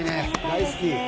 大好き。